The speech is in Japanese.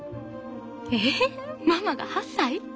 えママが８歳？